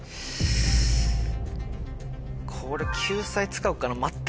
これ救済使おうかな。